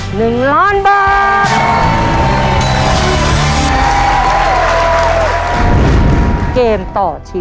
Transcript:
หนึ่งล้านบาท